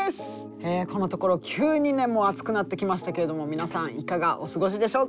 このところ急にね暑くなってきましたけれども皆さんいかがお過ごしでしょうか。